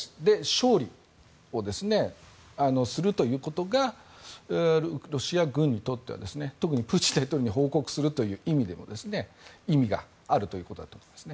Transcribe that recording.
勝利をするということがロシア軍にとっては特にプーチン大統領に報告するという意味でも意味があるということだと思います。